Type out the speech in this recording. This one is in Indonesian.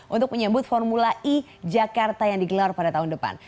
untuk menyebut formula e jakarta yang digelar pada tahun depan